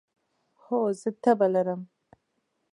هو، زه تبه لرم